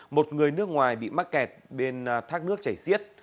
một người nước ngoài bị mắc kẹt bên thác nước chảy xiết